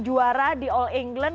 juara di all england